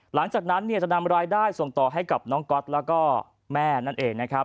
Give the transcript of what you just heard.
หลังจากนั้นเนี่ยจะนำรายได้ส่งต่อให้กับน้องก๊อตแล้วก็แม่นั่นเองนะครับ